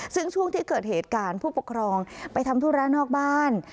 ซึ่งช่วงที่เกิดเหตุการณ์ผู้ปกครองไปทำธุระนอกบ้าน